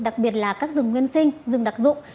đặc biệt là các rừng nguyên sinh rừng đặc dụng